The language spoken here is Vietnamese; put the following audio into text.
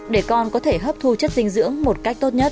để con có thể hấp thu chất dinh dưỡng một cách tốt nhất